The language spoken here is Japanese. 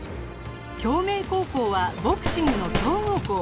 京明高校はボクシングの強豪校